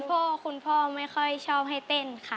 คุณพ่อคุณพ่อไม่ค่อยชอบให้เต้นค่ะ